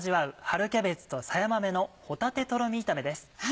「春キャベツとさや豆の帆立とろみ炒め」です。